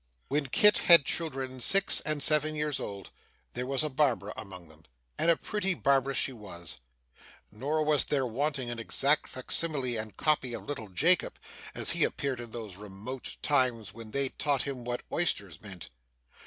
When Kit had children six and seven years old, there was a Barbara among them, and a pretty Barbara she was. Nor was there wanting an exact facsimile and copy of little Jacob, as he appeared in those remote times when they taught him what oysters meant.